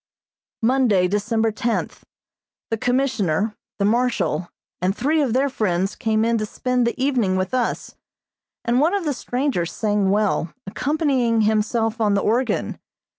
Monday, December tenth: The Commissioner, the Marshal, and three of their friends came in to spend the evening with us, and one of the strangers sang well, accompanying himself on the organ.